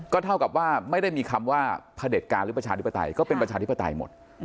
เท่ากับว่าไม่ได้มีคำว่าพระเด็จการหรือประชาธิปไตยก็เป็นประชาธิปไตยหมด